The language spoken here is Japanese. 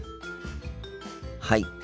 はい。